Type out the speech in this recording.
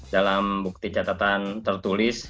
dalam bukti catatan tertulis